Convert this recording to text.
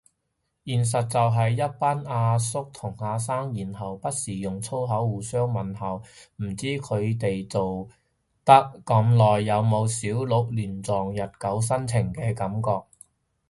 現實就係一班阿叔同阿生，然後不時用粗口互相問候，唔知佢哋做得耐仲有冇小鹿亂撞日久生情嘅感覺